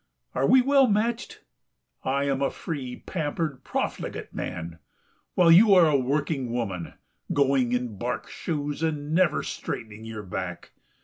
Are we well matched? I am a free, pampered, profligate man, while you are a working woman, going in bark shoes and never straightening your back.